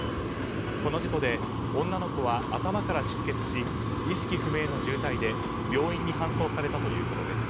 この事故で女の子は頭から出血し意識不明の重体で病院に搬送されたということです。